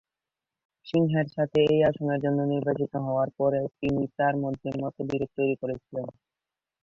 সিংহের সাথে এই আসনের জন্য নির্বাচিত হওয়ার পরে তিনি তার মধ্যে মতবিরোধ তৈরি করেছিলেন।